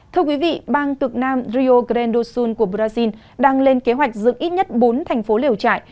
thưa quý vị bang tược nam rio grande do sul của brazil đang lên kế hoạch dựng ít nhất bốn thành phố liều trại